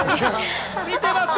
見てますか？